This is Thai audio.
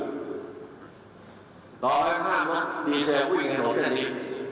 ต่อไปถ้าห้ามลดมีเซลล์วิ่งในรถแถวนี้